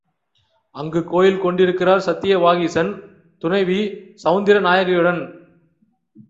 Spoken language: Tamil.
அங்கு கோயில் கொண்டிருக்கிறார் சத்தியவாகீசன், துணைவி சௌந்திர நாயகியுடன்.